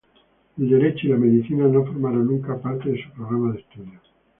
El derecho y la medicina no formaron nunca parte de su programa de estudios.